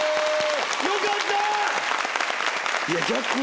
よかった！